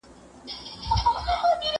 سیر د کتابتوننۍ له خوا کيږي!.